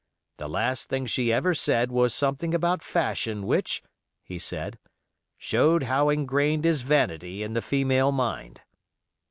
The last thing she ever said was something about fashion, which," he said, "showed how ingrained is vanity in the female mind."